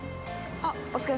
あお疲れ。